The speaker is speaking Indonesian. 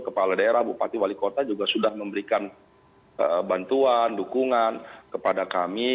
kepala daerah bupati wali kota juga sudah memberikan bantuan dukungan kepada kami